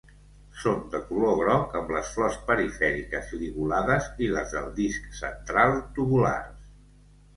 Són de color groc amb les flors perifèriques ligulades i les del disc central tubulars.